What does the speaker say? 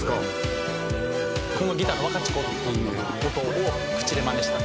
「このギターの“ワカチコ”っていう音を口でまねした」